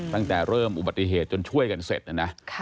ตั้งแต่เริ่มอุบัติเหตุจนช่วยกันเสร็จนะนะ